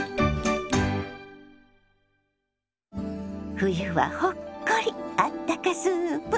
「冬はほっこりあったかスープ」。